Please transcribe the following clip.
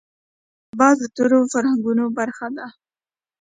باز د تېرو فرهنګونو برخه ده